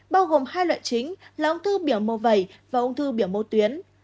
bao gồm hai loại chính là ông thư biểu mô vầy và ông thư biểu mô tuyến